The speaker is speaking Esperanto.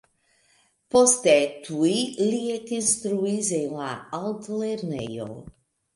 Poste tuj li ekinstruis en la Altlernejo.